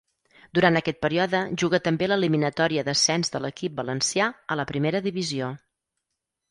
Durant aquest període juga també l'eliminatòria d'ascens de l'equip valencià a la Primera Divisió.